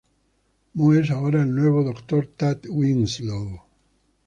Moe es ahora el nuevo Dr. Tad Winslow.